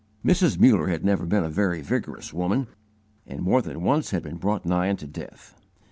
Mrs. Muller had never been a very vigorous woman, and more than once had been brought nigh unto death.